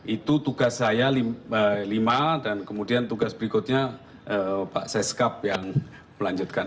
itu tugas saya lima dan kemudian tugas berikutnya pak seskap yang melanjutkan